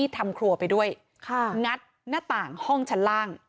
ทำครัวไปด้วยงัดหน้าต่างห้องชั้นล่าง